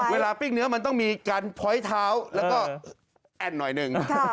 เวลาปิ้งเนื้อมันต้องมีการพล้อยเท้าและแอ็ดหน่อยหนึ่ง